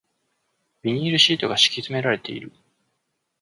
ビニールシートが敷き詰められている